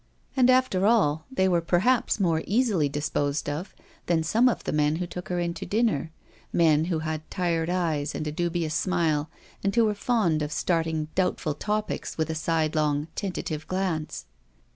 And, after all, they were perhaps more easily dis posed of than some of the men who took her in to dinner, men who had tired eyes and a dubious smile, and who were fond of starting doubtful topics with a sidelong tentative glance.